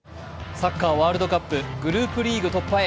サッカーワールドカップ、グループリーグ突破へ。